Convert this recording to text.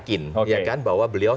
kita sangat yakin bahwa beliau